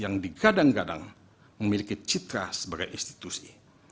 yang digadang gadang memiliki citra sebagai institusi